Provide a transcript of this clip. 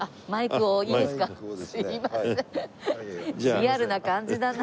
リアルな感じだな。